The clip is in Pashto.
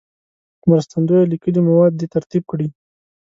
مرستندوی لیکلي مواد دې ترتیب کړي.